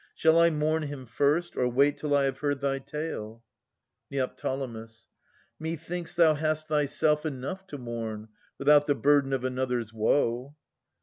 Shall I mourn Him first, or wait till I have heard thy tale? Neo. Methinks thou hast thyself enough to mourn. Without the burden of another's woe.